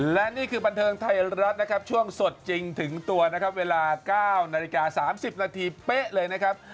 และนี่คือบันเทิงไทยรัฐนะครับช่วงสดจริงถึงตัวนะครับเวลา๙นาฬิกา๓๐นาทีเป๊ะเลยนะครับ